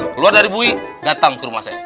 keluar dari bui datang ke rumah saya